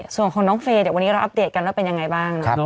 ส่วนของน้องเฟย์เดี๋ยววันนี้เราอัปเดตกันว่าเป็นยังไงบ้างนะครับ